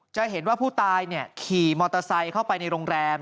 จะเห็นว่าผู้ตายขี่มอเตอร์ไซค์เข้าไปในโรงแรม